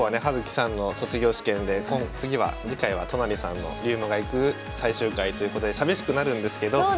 葉月さんの卒業試験で次回は都成さんの「竜馬がゆく最終回」ということで寂しくなるんですけど。